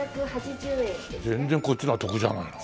全然こっちの方が得じゃないの。